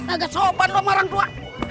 agak sopan sama orang tua